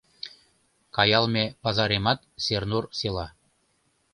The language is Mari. Каялме пазаремат - Сернур села